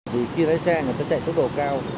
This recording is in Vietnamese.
vì khi lái xe người ta chạy tốc độ cao